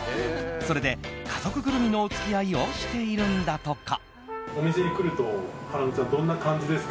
それで家族ぐるみのお付き合いをしているんだとか。